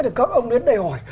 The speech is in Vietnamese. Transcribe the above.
thì các ông đến đây hỏi